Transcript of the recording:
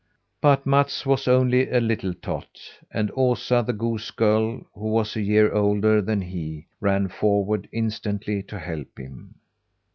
But Mats was only a little tot, and Osa, the goose girl, who was a year older than he, ran forward instantly to help him.